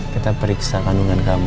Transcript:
kita periksa kandungan kamu